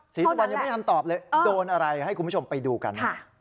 ศรีสุวรรณยังไม่ทันตอบเลยโดนอะไรให้คุณผู้ชมไปดูกัน